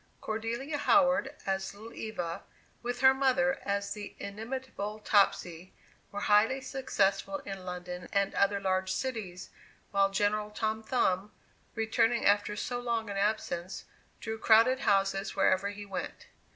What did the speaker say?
Cordelia Howard as "Little Eva," with her mother as the inimitable "Topsy," were highly successful in London and other large cities, while General Tom Thumb, returning after so long an absence, drew crowded houses wherever he went.